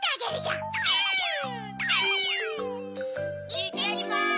いってきます。